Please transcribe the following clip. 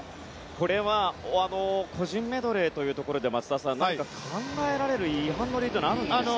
これは個人メドレーというところで松田さん何か考えられる違反の例はあるんですか？